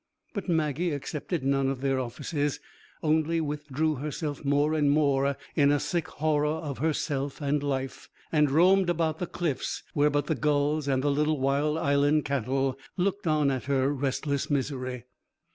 But Maggie accepted none of their offices, only withdrew herself more and more in a sick horror of herself and life, and roamed about the cliffs where but the gulls and the little wild Island cattle looked on at her restless misery.